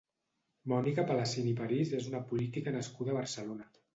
Mònica Palacín i París és una política nascuda a Barcelona.